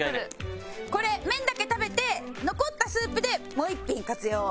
これ麺だけ食べて残ったスープでもう１品活用してました。